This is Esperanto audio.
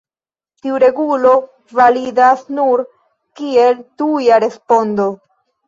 Tiu regulo validas nur kiel tuja respondo.